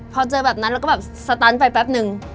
พอเจอแบบนั้นเราก็แบบสตันไปแป๊บนึง